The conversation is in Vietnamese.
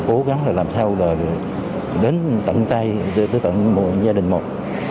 cố gắng là làm sao là đến tận tay tới tận gia đình một